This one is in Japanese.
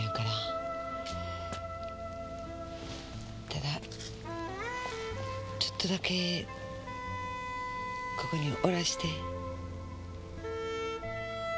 ただちょっとだけここにおらして。